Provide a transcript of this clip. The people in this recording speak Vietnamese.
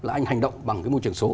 là anh hành động bằng cái môi trường số